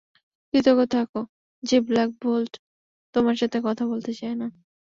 কৃতজ্ঞ থাকো যে ব্ল্যাক বোল্ট তোমার সাথে কথা বলতে চায় না।